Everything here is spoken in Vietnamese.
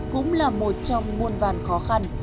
cũng là một trong nguồn vàn khó khăn